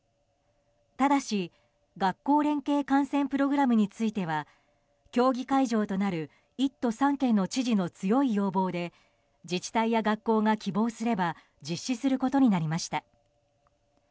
ただし、学校連携観戦プログラムについては競技会場となる１都３県の知事の強い要望で自治体や学校が希望すれば実施することになりました。